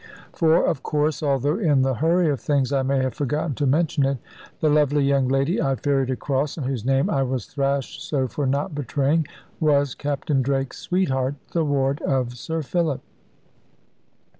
For, of course (although, in the hurry of things, I may have forgotten to mention it), the lovely young lady I ferried across, and whose name I was thrashed so for not betraying, was Captain Drake's sweetheart, the ward of Sir Philip.